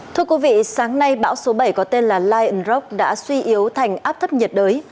thưa quý vị sáng nay bão số bảy có tên là lionrok đã suy yếu thành áp thấp nhiệt đới